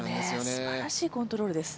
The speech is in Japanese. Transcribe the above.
すばらしいコントロールです。